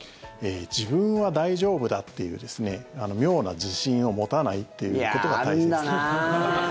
自分は大丈夫だっていう妙な自信を持たないということが大事です。